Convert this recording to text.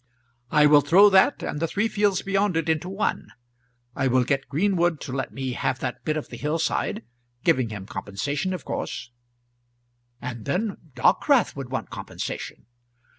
I will throw that and the three fields beyond it into one; I will get Greenwood to let me have that bit of the hill side, giving him compensation of course " "And then Dockwrath would want compensation."